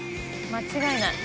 間違いない。